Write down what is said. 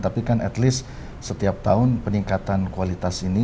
tapi kan at least setiap tahun peningkatan kualitas ini